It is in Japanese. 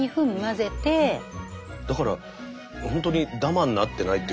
だから本当にだまになってないっていうか。